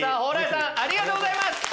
蓬莱さん、ありがとうございます。